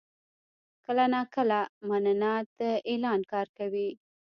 کله ناکله «مننه» د اعلان کار کوي.